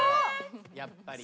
やっぱり。